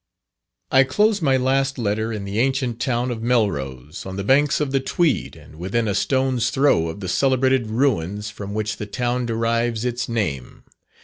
I closed my last letter in the ancient town of Melrose, on the banks of the Tweed, and within a stone's throw of the celebrated ruins from which the town derives its name.